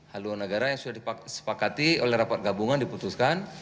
haluan negara yang sudah disepakati oleh rapat gabungan diputuskan